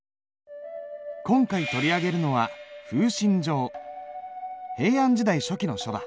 今回取り上げるのは平安時代初期の書だ。